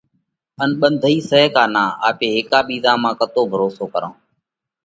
ان ٻنڌئِي سئہ ڪا نا؟ آپي هيڪا ٻِيزا مانه ڪتو ڀروسو ڪرونه؟